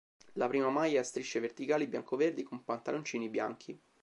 La prima maglia è a strisce verticali bianco-verdi con pantaloncini bianchi.